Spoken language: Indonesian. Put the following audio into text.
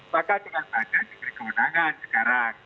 maka dengan badan diberi kewenangan sekarang